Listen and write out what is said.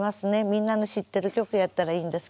みんなの知ってる曲やったらいいんですけどね。